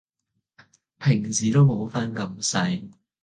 平時都冇分咁細